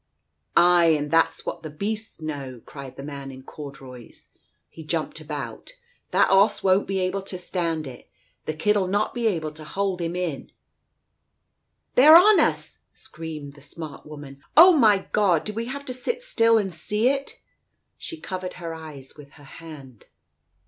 "Ay, and that's what the beasts know!" cried the man in corduroys. He jumped about. "That 'oss won't be able to stand it. The kid'll not be able to hold him in. •.. "They're on us !" screamed the smart woman. "Oh, my God ! Do we have to sit still and see it ?" She covered her eyes with her hand.